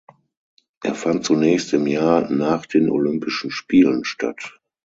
Er fand zunächst im Jahr nach den Olympischen Spielen statt.